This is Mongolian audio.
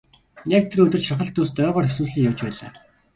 Яг тэр өдөр шаргал үст ойгоор хэсүүчлэн явж байлаа.